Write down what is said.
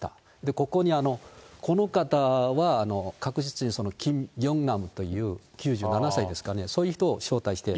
ここに、この方は確実にキム・ヨンナムという９７歳ですかね、そういう人を招待している。